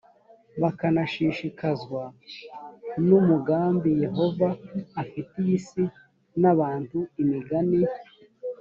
bakanashishikazwa n umugambi yehova afitiye isi n abantu imigani